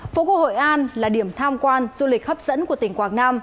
phố cổ hội an là điểm tham quan du lịch hấp dẫn của tỉnh quảng nam